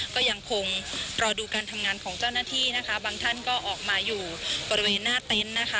ก็ยังคงรอดูการทำงานของเจ้าหน้าที่นะคะบางท่านก็ออกมาอยู่บริเวณหน้าเต็นต์นะคะ